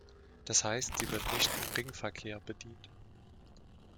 Das heißt, sie wird nicht im Ringverkehr bedient.